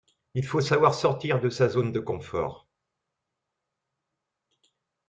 Il faut savoir sortir de sa zone de confort.